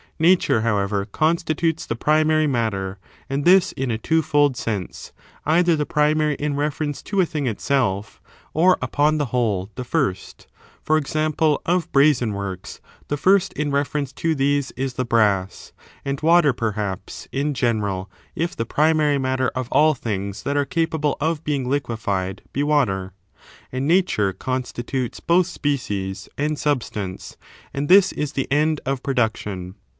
Nature, however, consti jtutes the primary matter, and this in a twofold sense, — either the primary in reference to a thing itself, or, upon the whole, the first ; for example, of brazen works the first in reference to these is the brass ; and water, perhaps, in general, if the primary matter of all things that are capable of being liquified be water. And Natiire constitutes both species and substance ; and this is the end of production.